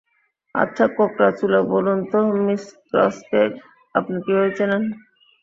আচ্ছা কোঁকড়াচুলো, বলুন তো মিস ক্রসকে আপনি কীভাবে চেনেন?